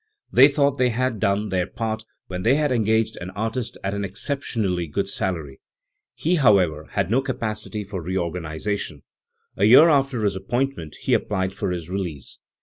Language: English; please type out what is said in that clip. They thought they had done their part when they had engaged an artist at an exceptionally good salary, He, however, had no capacity for reorganisa tion. A year after his appointment he applied for his release.